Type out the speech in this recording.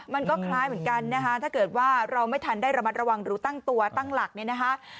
มันก็คล้ายเหมือนกันนะคะถ้าเกิดว่าเราไม่ทันได้ระมัดระวังหรือตั้งตัวตั้งหลักเนี่ยนะคะ